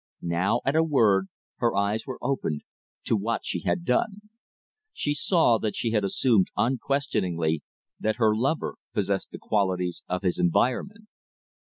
Now at a word her eyes were opened to what she had done. She saw that she had assumed unquestioningly that her lover possessed the qualities of his environment.